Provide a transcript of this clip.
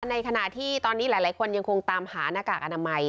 ในขณะที่ตอนนี้หลายคนยังคงตามหาหน้ากากอนามัย